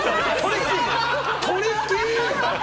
トリッキー！